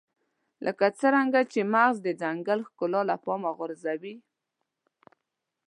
لکه څنګه چې مغز د ځنګل ښکلا له پامه غورځوي.